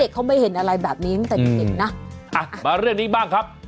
เด็กเขาไม่เห็นอะไรแบบนี้แต่เห็นนะอ่ะมาเรื่องนี้บ้างครับ